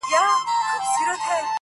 دولت وویل تر علم زه مشهور یم.!